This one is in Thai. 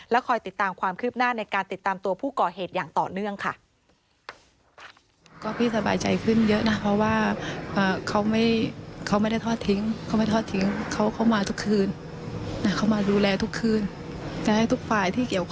คอยติดตามความคืบหน้าในการติดตามตัวผู้ก่อเหตุอย่างต่อเนื่องค่ะ